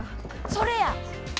それや！